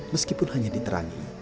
meskipun hanya diterangi sedikit